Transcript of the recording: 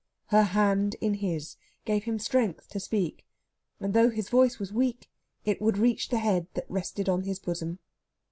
Her hand in his gave him strength to speak, and though his voice was weak it would reach the head that rested on his bosom.